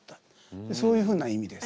そういうふうな意味です。